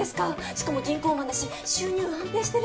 しかも銀行マンだし収入安定してるし。